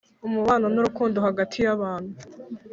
umubano n’urukundo hagati y’abantu